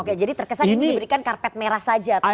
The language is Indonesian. oke jadi terkesan ini diberikan karpet merah saja